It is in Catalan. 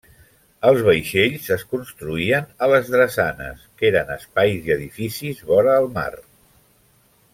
Els vaixells es construïen a les drassanes, que eren espais i edificis vora el mar.